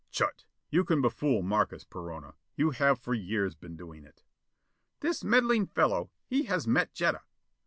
"Chut! You can befool Markes, Perona. You have for years been doing it." "This meddling fellow, he has met Jetta!"